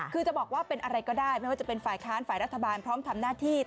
คือจะบอกว่าเป็นอะไรก็ได้ไม่ว่าจะเป็นฝ่ายค้านฝ่ายรัฐบาลพร้อมทำหน้าที่